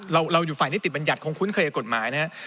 เราอยู่ฝ่ายนิติบัญญัติคงคุ้นเคยกับกฎหมายนะครับ